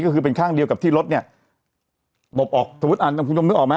ก็คือเป็นข้างเดียวกับที่รถเนี่ยหลบออกสมมุติอ่านคุณผู้ชมนึกออกไหม